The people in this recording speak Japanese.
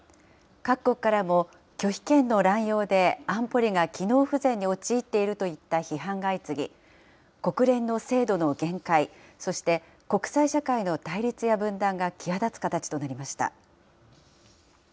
各国からも、拒否権の乱用で、安保理が機能不全に陥っているといった批判が相次ぎ、国連の制度の限界、そして、国際社会の対立や分断が際立つ形となりました。